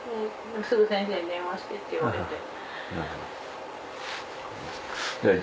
すぐ先生に電話してって言われて。